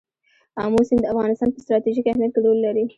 آمو سیند د افغانستان په ستراتیژیک اهمیت کې رول لري.